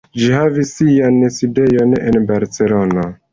Ĝi havis sian sidejon en Barcelono.